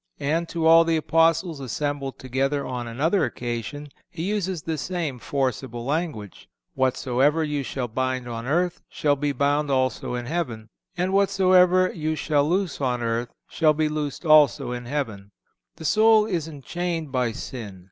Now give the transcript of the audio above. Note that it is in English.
(439) And to all the Apostles assembled together on another occasion He uses the same forcible language: "Whatsoever you shall bind on earth shall be bound also in heaven, and whatsoever you shall loose on earth shall be loosed also in heaven."(440) The soul is enchained by sin.